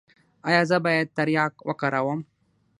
ایا زه باید تریاک وکاروم؟